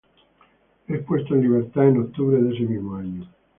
Es puesto en libertad en octubre de ese mismo año.